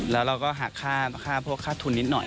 แล้วเราก็หักค่าพวกค่าทุนนิดหน่อย